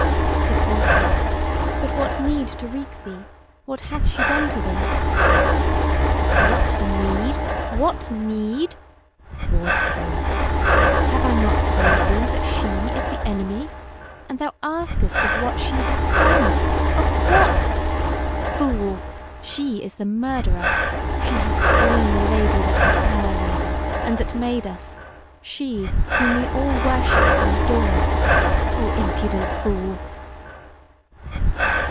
Said Walter: "But what need to wreak thee? What hath she done to thee?" "What need! what need!" roared the Dwarf; "have I not told thee that she is the Enemy? And thou askest of what she hath done! of what! Fool, she is the murderer! she hath slain the Lady that was our Lady, and that made us; she whom all we worshipped and adored. O impudent fool!"